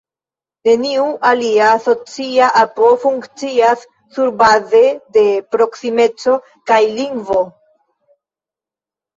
Neniu alia socia apo funkcias surbaze de proksimeco kaj lingvo.